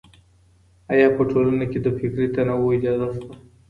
آيا په ټولنه کي د فکري تنوع اجازه سته؟